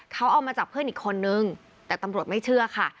เขาเอามาจากเพื่อนอีกคนนึงแต่ตำรวจไม่เชื่อค่ะ